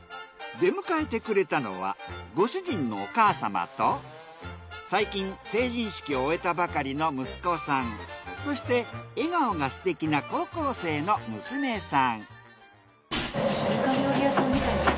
出迎えてくれたのはご主人のお母様と最近成人式を終えたばかりの息子さんそして笑顔がすてきな高校生の娘さん。